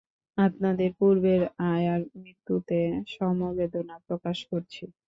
আপনাদের পূর্বের আয়ার মৃত্যুতে সমবেদনা প্রকাশ করছি!